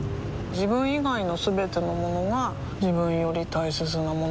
自分以外のすべてのものが自分より大切なものだと思いたい